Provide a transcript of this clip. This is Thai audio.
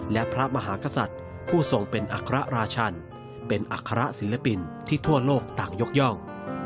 และพระมหากษัตริย์ผู้ทรงเป็นอัครราชันเป็นอัคระศิลปินที่ทั่วโลกต่างยกย่อง